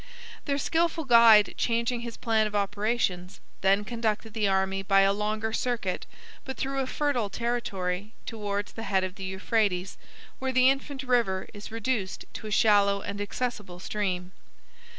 Their skilful guide, changing his plan of operations, then conducted the army by a longer circuit, but through a fertile territory, towards the head of the Euphrates, where the infant river is reduced to a shallow and accessible stream.